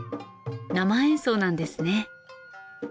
生演奏なんですね。